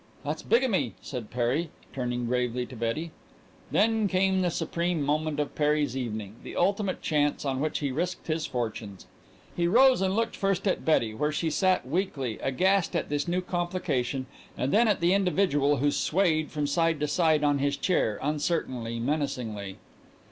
"That's bigamy," said Perry, turning gravely to Betty. Then came the supreme moment of Perry's evening, the ultimate chance on which he risked his fortunes. He rose and looked first at Betty, where she sat weakly, aghast at this new complication, and then at the individual who swayed from side to side on his chair, uncertainly, menacingly.